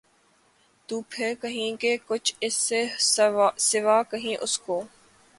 تو پھر کہیں کہ کچھ اِس سے سوا کہیں اُس کو